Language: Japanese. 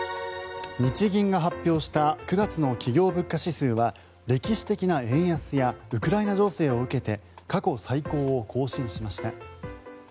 日銀が発表した９月の企業物価指数は歴史的な円安やウクライナ情勢を受けて過去最高を更新しました。